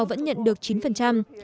vẫn nhận được chín